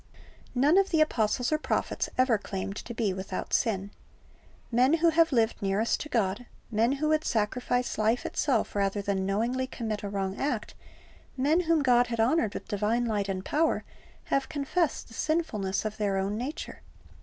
None of the apostles or prophets ever claimed to be without sin. Men who have lived nearest to God, men who would sacrifice life itself rather than knowingly commit a wrong act, men whom God had honored with divine light and power, have confessed the sinfulness of their own nature.